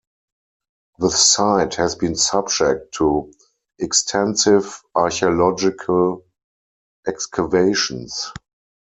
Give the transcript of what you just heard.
The site has been subject to extensive archaeological excavations.